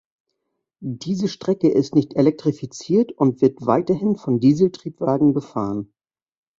Diese Strecke ist nicht elektrifiziert und wird weiterhin von Dieseltriebwagen befahren.